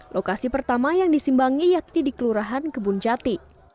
lokasi pertama yang disimbangi yakni di kelurahan kebun jati